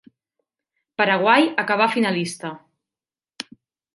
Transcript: Paraguai acabà finalista.